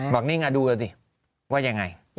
บอกนี่ไงดูแล้วสิว่ายังไง